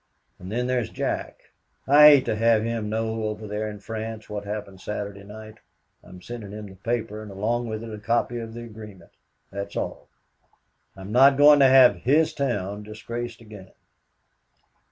And then there's Jack. I hate to have him know over there in France what happened Saturday night. I'm sending him the paper and along with it a copy of the agreement. That's all. I'm not going to have his town disgraced again.